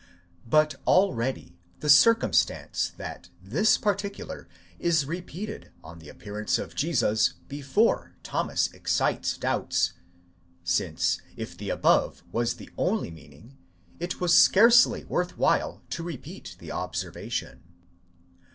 But already the circumstance that this particular is repeated on the appearance of Jesus before Thomas excites doubts, since if the above was the only meaning, it was scarcely worth while to repeat the observation.